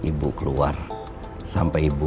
ibu keluar sampai ibu